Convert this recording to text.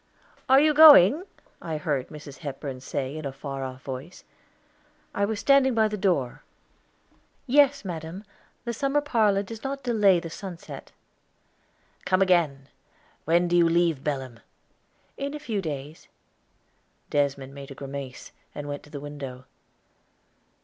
_" "Are you going?" I heard Mrs. Hepburn say in a far off voice. I was standing by the door. "Yes, madam; the summer parlor does not delay the sunset." "Come again. When do you leave Belem?" "In few days." Desmond made a grimace, and went to the window.